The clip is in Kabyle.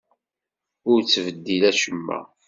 Ur ttbeddil acemma!